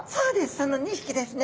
その２匹ですね。